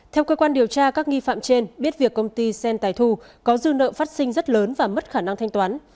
theo cơ quan điều tra các nghi phạm trên biết việc công ty sen tài thu có dư nợ phát sinh rất lớn và mất khả năng thanh toán